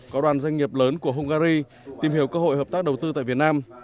có đoàn doanh nghiệp lớn của hungary tìm hiểu cơ hội hợp tác đầu tư tại việt nam